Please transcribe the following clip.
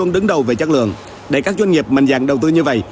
để các doanh nghiệp mạnh dạng đầu tư như vậy